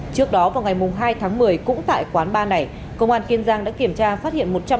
trước đó vào ngày hai tháng một mươi cũng tại quán bar này công an kiên giang đã kiểm tra phát hiện